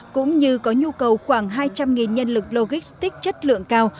cũng như có nhu cầu khoảng hai trăm linh nhân lực logistics chất lượng cao